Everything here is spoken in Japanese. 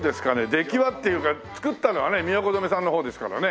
出来はっていうか作ったのはねみやこ染さんのほうですからね。